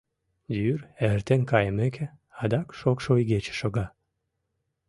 Йӱр эртен кайымеке, адак шокшо игече шога.